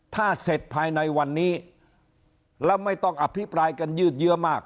ถ้าเสร็จภายในวันนี้แล้วไม่ต้องอภิปรายกันยืดเยอะมาก